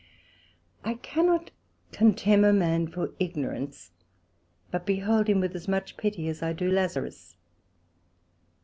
I cannot contemn a man for ignorance, but behold him with as much pity as I do Lazarus.